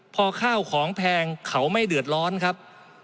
พอข้าวของแพงเขาไม่เดือดร้อนครับ